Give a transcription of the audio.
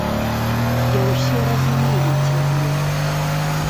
Я ўсё разумею цябе.